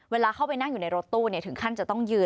เวลาเข้าไปนั่งอยู่ในรถตู้ถึงขั้นจะต้องยืน